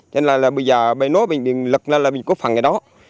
nên là bây giờ bây nối bệnh viện lực lên là bệnh viện cố phận ngày đó